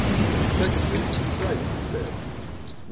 Secondly 5 Christ says, Matt.